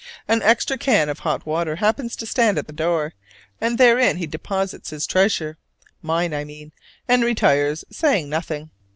An extra can of hot water happens to stand at the door; and therein he deposits his treasure (mine, I mean), and retires saying nothing.